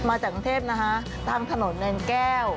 มาจากกรุงเทพนะคะตามถนนเนินแก้ว